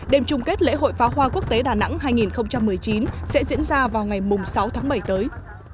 đêm chung kết lễ hội phá hoa quốc tế đà nẵng hai nghìn một mươi chín sẽ diễn ra vào ngày sáu tháng bảy tới